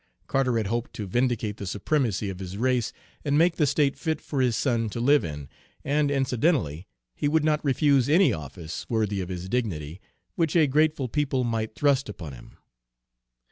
Carteret hoped to vindicate the supremacy of his race, and make the state fit for his son to live in, and, incidentally, he would not refuse any office, worthy of his dignity, which a grateful people might thrust upon him.